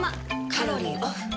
カロリーオフ。